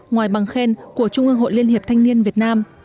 ngoài bằng khen của trung ương hội liên hiệp thanh niên việt nam